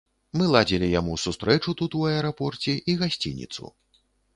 Мы ладзілі яму сустрэчу тут у аэрапорце і гасцініцу.